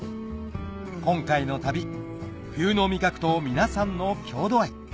今回の旅冬の味覚と皆さんの郷土愛